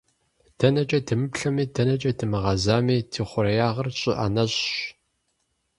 ДэнэкӀэ дымыплъэми, дэнэкӀэ дымыгъазэми, ди хъуреягъыр щӀы ӏэнэщӀщ!